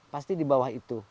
pasti di bawah itu